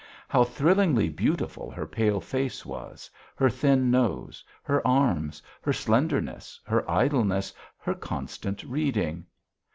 How thrillingly beautiful her pale face was, her thin nose, her arms, her slenderness, her idleness, her constant reading.